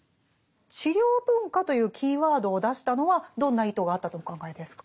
「治療文化」というキーワードを出したのはどんな意図があったとお考えですか？